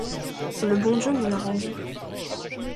Le bon Dieu me l’a rendue.